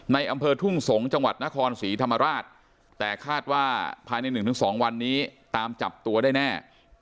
อำเภอทุ่งสงศ์จังหวัดนครศรีธรรมราชแต่คาดว่าภายใน๑๒วันนี้ตามจับตัวได้แน่